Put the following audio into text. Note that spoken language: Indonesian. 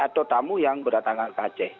atau tamu yang berdatangan ke aceh